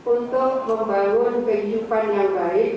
untuk membangun kegiatan